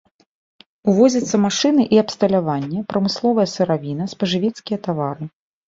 Увозяцца машыны і абсталяванне, прамысловая сыравіна, спажывецкія тавары.